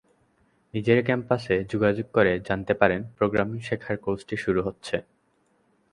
নিজের ক্যাম্পাসে যোগাযোগ করে জানতে পারেন, প্রোগ্রামিং শেখার কোর্সটি শুরু হচ্ছে।